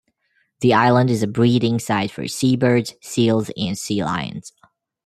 The island is a breeding site for seabirds, seals, and sea lions.